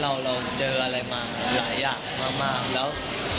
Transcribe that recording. ควรได้ที่พลังแนวติดสูตรใหม่